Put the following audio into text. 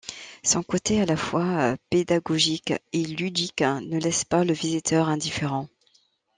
Son côté à la fois pédagogique et ludique ne laisse pas le visiteur indifférent.